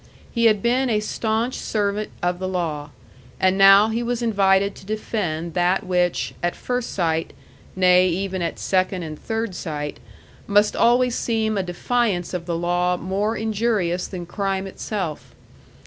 He had been a stanch servant of the law. And now he was invited to defend that which, at first sight, nay, even at second and third sight, must always seem a defiance of the law more injurious than crime itself.